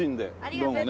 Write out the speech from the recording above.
どうもね。